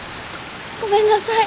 ごめんなさい。